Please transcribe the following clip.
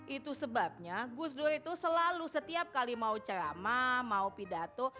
itu sebabnya gus dur itu selalu setiap kali mau ceramah mau pidato